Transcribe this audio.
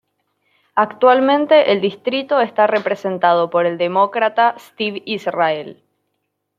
Actualmente el distrito está representado por el Demócrata Steve Israel.